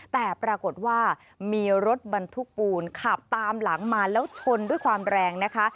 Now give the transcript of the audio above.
แต่ปรากฏว่ามีรถบรรทุกปูนขับตามหลังมาแล้วชนด้วยความแรงนะคะ